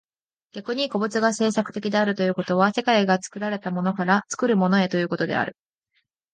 逆に個物が製作的であるということは、世界が作られたものから作るものへということである。